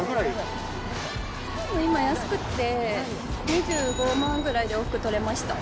でも今安くて、２５万ぐらいで往復取れました。